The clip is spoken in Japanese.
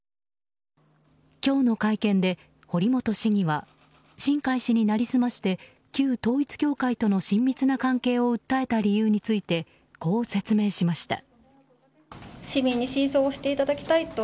今日の会見で堀本市議は新開氏に成り済まして旧統一教会との親密な関係を訴えた理由についてこう説明しました。